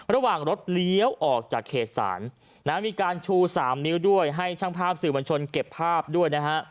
ระหว่างรถเลี้ยวออกจากเขตศาลมีการชู๓นิ้วด้วยให้ช่างภาพสื่อมวลชนเก็บภาพด้วยนะฮะ